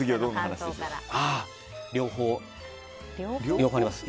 ああ、両方あります。